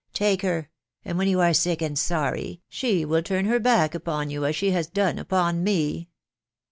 Take her ; and when you are sick and sorry, she will turn her back ' upon you, as she has done upon me